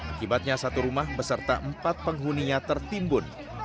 akibatnya satu rumah beserta empat penghuninya tertimbun